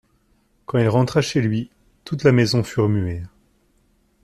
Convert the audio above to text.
Quand il rentra chez lui, toute la maison fut remuée.